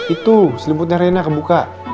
itu selimutnya rena kebuka